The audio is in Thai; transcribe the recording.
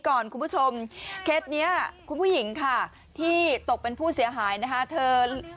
คนนี้คนนี้คนนี้คนนี้คนนี้คนนี้คนนี้คนนี้คนนี้